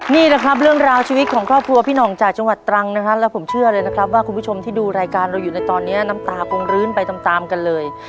นี่แหละครับเรื่องราวชีวิตของครอบครัวพี่หน่องจากจังหวัดตรังนะครับแล้วผมเชื่อเลยนะครับว่าคุณผู้ชมที่ดูรายการเราอยู่ในตอนนี้น้ำตาคงรื้นไปตามตามกันเลย